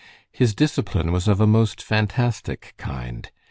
His discipline was of a most fantastic kind.